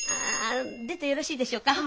出てよろしいでしょうか？